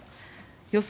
予想